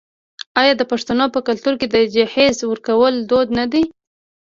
آیا د پښتنو په کلتور کې د جهیز ورکول دود نه دی؟